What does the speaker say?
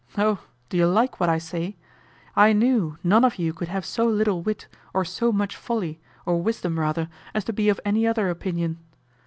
Oh! Do you like what I say? I knew none of you could have so little wit, or so much folly, or wisdom rather, as to be of any other opinion.